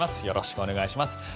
よろしくお願いします。